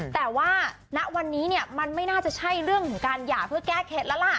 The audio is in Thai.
แต่ว่าณวันนี้เนี่ยมันไม่น่าจะใช่เรื่องของการหย่าเพื่อแก้เคล็ดแล้วล่ะ